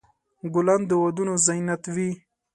ګلان د ودونو زینت وي.